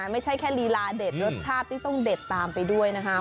ไม่ใช่แค่ลีลาเด็ดรสชาติที่ต้องเด็ดตามไปด้วยนะคะ